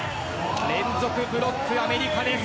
連続ブロック、アメリカです。